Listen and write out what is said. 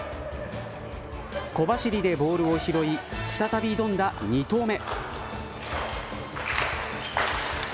小走りでボールを拾い再び挑んだ２投目。